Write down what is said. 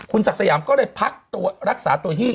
คุณสักสยามก็เลยพักรักษาตัวที่